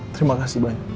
terima kasih banyak